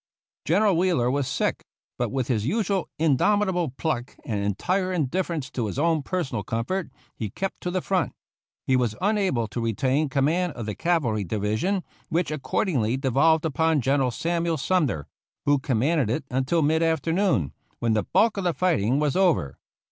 General Wheeler was sick, but with his usual THE ROUGH RIDERS indomitable pluck and entire indifference to his own personal comfort, he kept to the front. He was unable to retain command of the cavalry division, which accordingly devolved upon Gen eral Samuel Sumner, who commanded it until mid afternoon, when the bulk of the fighting was over.